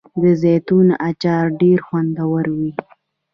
د زیتون اچار ډیر خوندور وي.